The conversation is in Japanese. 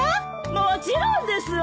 もちろんですわ！